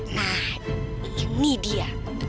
nah ini dia